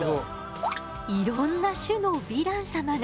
いろんな種のヴィラン様が。